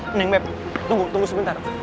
menengah tunggu tunggu sebentar